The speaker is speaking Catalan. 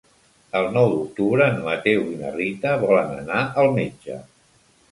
El nou d'octubre en Mateu i na Rita volen anar al metge.